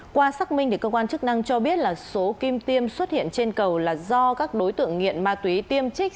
qua xác minh thì cơ quan chức năng cho biết là số kim tiêm xuất hiện trên cầu là do các đối tượng nghiện ma túy tiêm trích